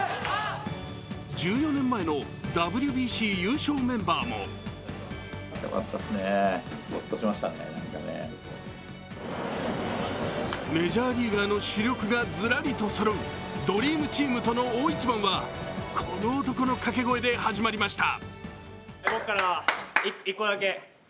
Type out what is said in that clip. １４年前のＷＢＣ優勝メンバーもメジャーリーガーの主力がずらりとそろうドリームチームとの大一番はこの男の掛け声で始まりました。